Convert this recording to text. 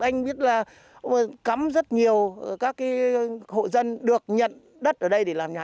anh biết là cấm rất nhiều các hộ dân được nhận đất ở đây để làm nhà